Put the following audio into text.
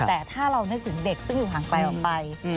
แต่ถ้าเรานึกถึงเด็กซึ่งอยู่ห่างไกลออกไป